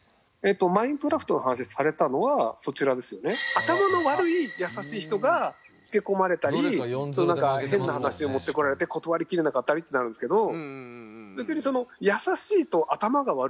頭の悪い優しい人がつけ込まれたり変な話を持ってこられて断りきれなかったりってなるんですけど別に「優しい」と「頭が悪い」は一緒ではなくて。